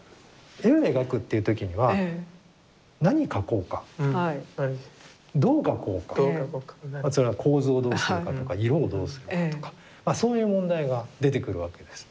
絵を描くっていう時には何描こうかどう描こうか構図をどうするとか色をどうするかとかそういう問題が出てくるわけです。